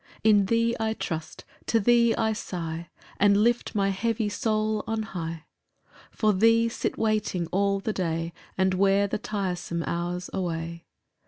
9 In thee I trust, to thee I sigh, And lift my heavy soul on high, For thee sit waiting all the day, And wear the tiresome hours away.